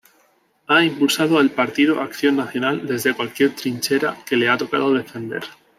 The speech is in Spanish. Ha impulsado al Partido Acción Nacional desde cualquier trinchera que le ha tocado defender.